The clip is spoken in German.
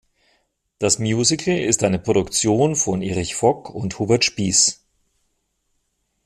Das Musical ist eine Produktion von Erich Vock und Hubert Spiess.